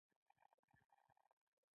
سپورټ ولې بدن جوړوي؟